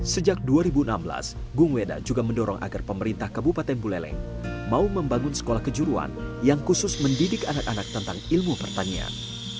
sejak dua ribu enam belas gung weda juga mendorong agar pemerintah kabupaten buleleng mau membangun sekolah kejuruan yang khusus mendidik anak anak tentang ilmu pertanian